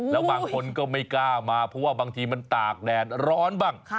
แล้วบางคนก็ไม่กล้ามาเพราะว่าบางทีมันตากแดดร้อนบ้าง